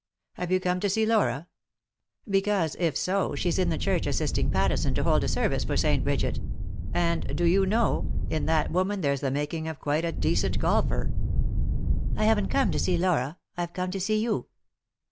Have yon come to see Laura ? Because, if so, she's in the church assisting Pattison to hold a service for St. Brigit — and, do you know, in that woman there's the making of quite a decent golfer." " I haven't come to see Laura ; I've come to see you."